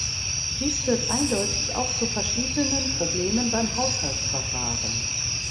Dies führt eindeutig auch zu verschiedenen Problemen beim Haushaltsverfahren.